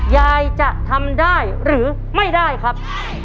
ยายจะทำได้หรือไม่ได้ครับ